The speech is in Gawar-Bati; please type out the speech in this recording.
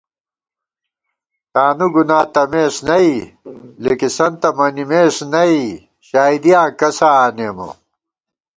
تانُو گُنا تمېس نئ لِکِسَنتہ مَنِمېس نئ، شائیدِیاں کسہ آنېمہ